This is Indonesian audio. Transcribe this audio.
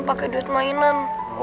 pakai duit mainan